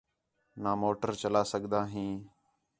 نا موٹر چَلا سڳدا ہیں